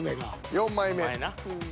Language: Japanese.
４枚目。